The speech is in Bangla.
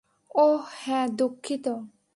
ওহ, হ্যাঁ, দুঃখিত।